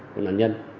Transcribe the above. của nạn nhân